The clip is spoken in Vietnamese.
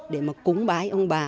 để mà cúng bái ông bà